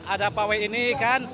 ada pawai ini kan